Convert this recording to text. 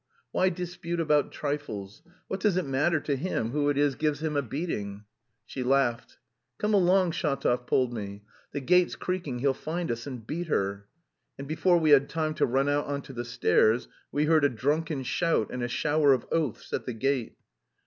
Why dispute about trifles? What does it matter to him who it is gives him a beating?" She laughed. "Come along!" Shatov pulled me. "The gate's creaking, he'll find us and beat her." And before we had time to run out on to the stairs we heard a drunken shout and a shower of oaths at the gate.